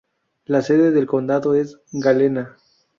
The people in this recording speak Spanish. La sede del condado es Galena.